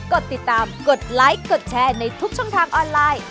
กดติดตามกดไลค์กดแชร์ในทุกช่องทางออนไลน์